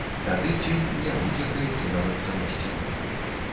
Тады цень не будзе праецыравацца на сцяну.